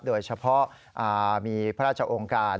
โดยเฉพาะมีพระราชองค์การ